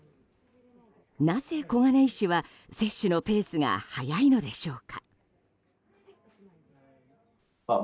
なぜ、小金井市は接種のペースが早いのでしょうか。